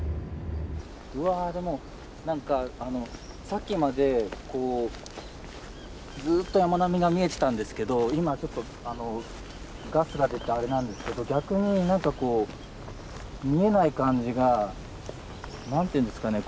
うわでも何かさっきまでこうずっと山並みが見えてたんですけど今はちょっとガスが出てあれなんですけど逆に何かこう見えない感じが何て言うんですかね